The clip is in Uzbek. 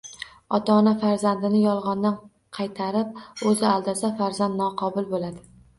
Ota-ona farzandini yolg‘ondan qaytarib, o‘zi aldasa, farzand noqobil bo‘ladi.